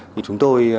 vì chúng tôi